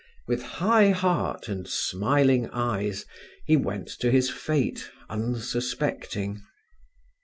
With high heart and smiling eyes he went to his fate unsuspecting.